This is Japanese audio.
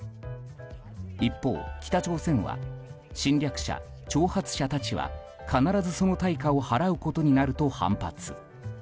一方、北朝鮮は侵略者、挑発者たちは必ずその対価を払うことになると反発。